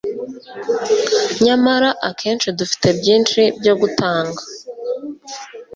nyamara akenshi dufite byinshi byo gutanga